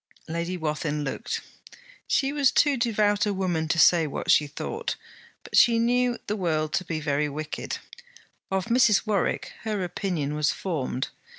Lady Wathin looked. She was too devout a woman to say what she thought. But she knew the world to be very wicked. Of Mrs. Warwick, her opinion was formed.